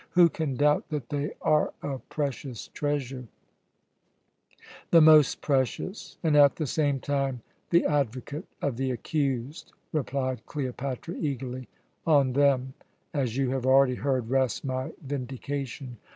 "Who can doubt that they are a precious treasure " "The most precious and at the same time the advocate of the accused," replied Cleopatra eagerly; "on them as you have already heard rests my vindication.